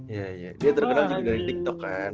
iya iya dia terkenal juga di tiktok kan